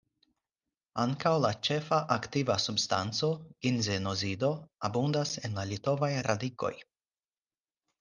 Ankaŭ la ĉefa aktiva substanco, ginzenozido, abundas en la litovaj radikoj.